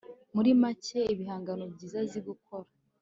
Muri make ibihangano byiza azi gukora